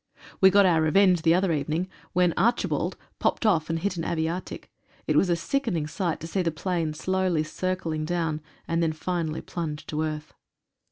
We got our revenge the other evening, when "Archi bald" popped off and hit an aviatik. It was a sickening sight to see the plane slowly circling down, and then finally plunge to earth.